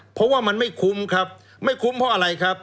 เพราะว่ามันไม่คุ้มครับไม่คุ้มเพราะอะไรครับ